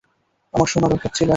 আমার শোনা দরকার ছিল এটা।